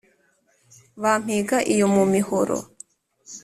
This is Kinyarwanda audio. bampiga iyo mu mihora